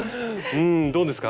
うんどうですか？